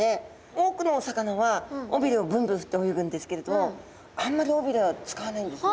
多くのお魚は尾びれをブンブン振って泳ぐんですけれどあんまり尾びれは使わないんですね。